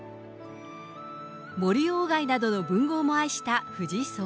森鴎外などの文豪も愛した藤井荘。